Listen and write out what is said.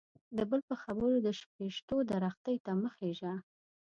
د بل په خبرو د شپيشتو درختي ته مه خيژه.